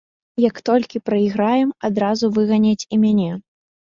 Як толькі прайграем, адразу выганяць і мяне.